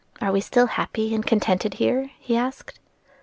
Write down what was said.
Are we still happy and contented here?" he asked.